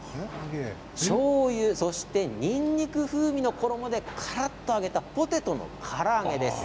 しょうゆ、そしてにんにく風味の衣でからっと揚げたポテトのから揚げです。